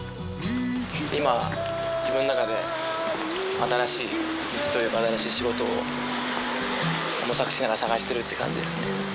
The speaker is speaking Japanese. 今自分の中で新しい道というか新しい仕事を模索しながら探してるって感じですね。